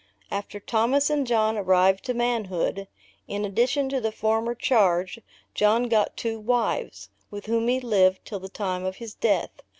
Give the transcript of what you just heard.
After Thomas and John arrived to manhood, in addition to the former charge, John got two wives, with whom he lived till the time of his death.